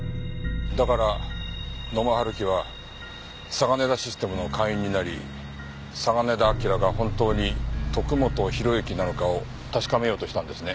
だから野間春樹はサガネダ・システムの会員になり嵯峨根田輝が本当に徳本弘之なのかを確かめようとしたんですね。